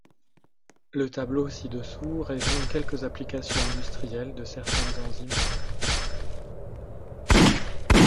Le tableau ci-dessous résume quelques applications industrielles de certaines enzymes courantes.